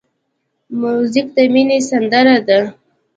موزیک د مینې سندره ده.